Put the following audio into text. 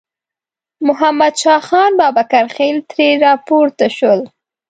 محمد شاه خان بابکرخېل ترې راپورته شول.